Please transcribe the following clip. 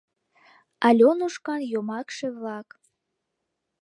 АЛЁНУШКАН ЙОМАКШЕ-ВЛАК